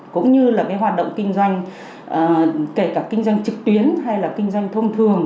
cũng như là cái hoạt động kinh doanh kể cả kinh doanh trực tuyến hay là kinh doanh thông thường